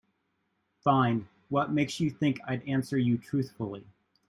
Fine, what makes you think I'd answer you truthfully?